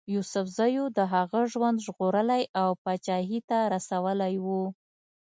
یوسفزیو د هغه ژوند ژغورلی او پاچهي ته رسولی وو.